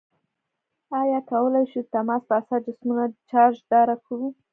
آیا کولی شو د تماس په اثر جسمونه چارج داره کړو؟